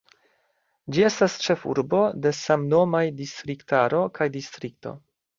Ĝi estas ĉefurbo de samnomaj distriktaro kaj distrikto.